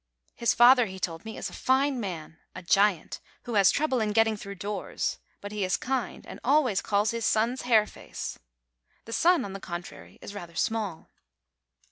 His father, he told me, is a fine man, a giant, who has trouble in getting through doors; but he is kind, and always calls his son "hare's face" : the son, on the contrary, is rather small.